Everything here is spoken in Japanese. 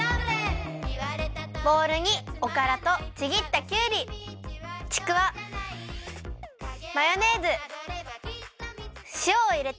ボウルにおからとちぎったきゅうりちくわマヨネーズしおをいれてまぜるよ。